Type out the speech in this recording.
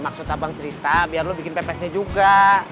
maksud abang cerita biar lu bikin pepesnya juga